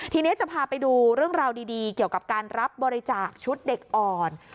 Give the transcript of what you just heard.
ทีนี้จะพาไปดูเรื่องราวดีเกี่ยวกับการรับบริจาคชุดเด็กอ่อน